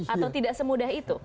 atau tidak semudah itu